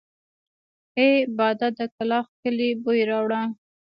اې باده د کلاخ کلي بوی راوړه!